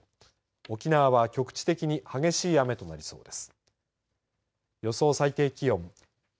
沖縄は局地的に激しい雨となりそうです。